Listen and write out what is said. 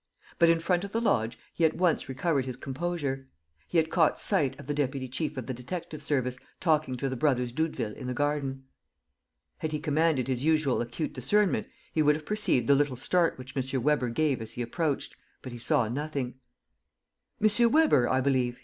But, in front of the lodge, he at once recovered his composure: he had caught sight of the deputy chief of the detective service talking to the brothers Doudeville in the garden. Had he commanded his usual acute discernment, he would have perceived the little start which M. Weber gave as he approached; but he saw nothing: "M. Weber, I believe?"